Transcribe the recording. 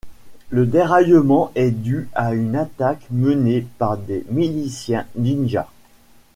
Le déraillement est dû à une attaque menée par des miliciens ninjas.